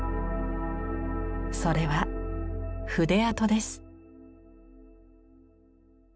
それは筆跡です。